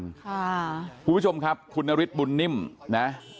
คุณผู้ชมครับคุณนฤทธิบุญนิ่มนะ